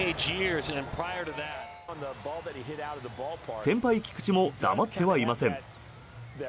先輩・菊池も黙ってはいません。